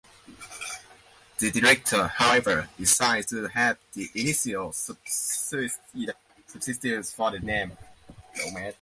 The Director, however, decided to have the initials substituted for the name.